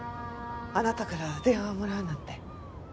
あなたから電話をもらうなんて。